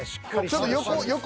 ちょっと横横。